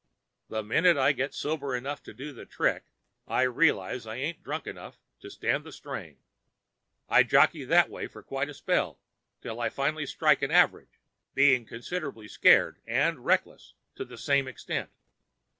The minute I get sober enough to do the trick I realize I ain't drunk enough to stand the strain. I jockey that way for quite a spell till I finally strike an average, being considerable scared and reckless to the same extent.